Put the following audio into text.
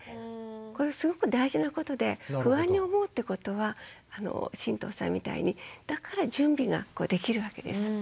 これはすごく大事なことで不安に思うってことは神藤さんみたいにだから準備ができるわけです。